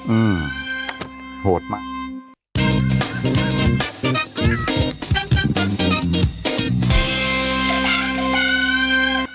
อืมโหดมาก